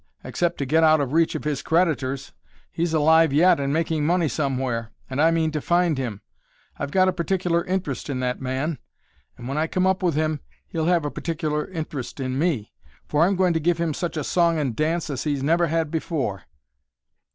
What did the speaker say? except to get out of reach of his creditors! He's alive yet and making money somewhere, and I mean to find him! I've got a particular interest in that man, and when I come up with him he'll have a particular interest in me. For I'm going to give him such a song and dance as he's never had before."